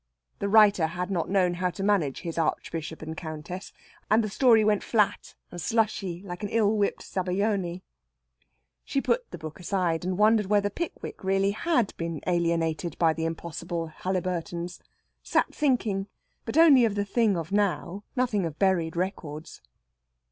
The writer had not known how to manage his Archbishop and Countess, and the story went flat and slushy like an ill whipped zabajone. She put the book aside, and wondered whether "Pickwick" really had been alienated by the impossible Haliburtons; sat thinking, but only of the thing of now nothing of buried records.